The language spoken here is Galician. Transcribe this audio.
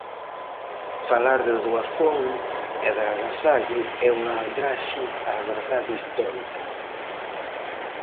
Falar de doazón e de agasallo é unha aldraxe á verdade histórica.